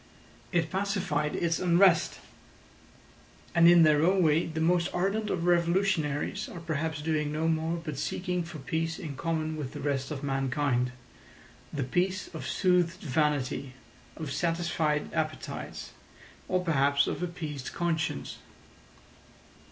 It pacified its unrest; and in their own way the most ardent of revolutionaries are perhaps doing no more but seeking for peace in common with the rest of mankind—the peace of soothed vanity, of satisfied appetites, or perhaps of appeased conscience.